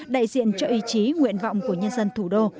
đại diện cho ý chí nguyện vọng của nhân dân thủ đô